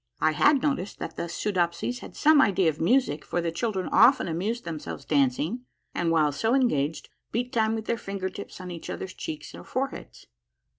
I had noticed that the Soodopsies had some idea of music, for the children often amused themselves dancing, and, while so engaged, beat time with their finger tips on each other's cheeks or foreheads.